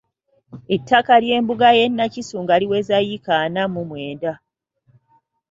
Ettaka ly’embuga y’e Nakisunga liweza yiika ana mu mwenda.